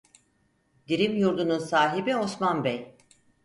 Dirim Yurdu'nun sahibi Osman Bey.